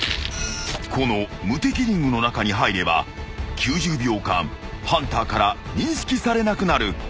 ［この無敵リングの中に入れば９０秒間ハンターから認識されなくなる］